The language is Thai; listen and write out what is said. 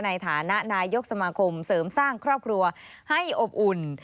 ในฐานะนายกสมาคมเสริมสร้างครอบครัวให้อบอุ่น